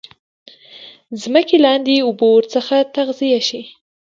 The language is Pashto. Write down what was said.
ځمکې لاندي اوبه ورڅخه تغذیه شي.